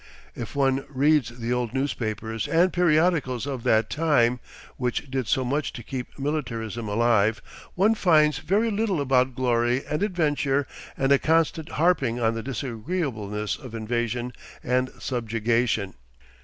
If one reads the old newspapers and periodicals of that time, which did so much to keep militarism alive, one finds very little about glory and adventure and a constant harping on the disagreeableness of invasion and subjugation.